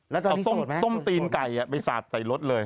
แล้วต้มตีนไก่ใส่รถเลย